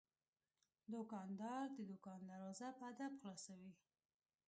دوکاندار د دوکان دروازه په ادب خلاصوي.